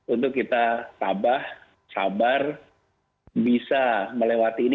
untuk kita tabah sabar bisa melewati ini